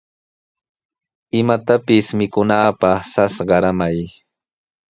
Imatapis mikunaapaq sas qaramay.